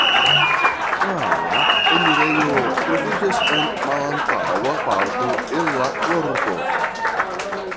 La enirejo troviĝas en malantaŭa parto el la korto.